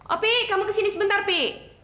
oke kamu kesini sebentar pi